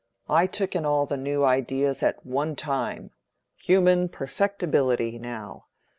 I took in all the new ideas at one time—human perfectibility, now.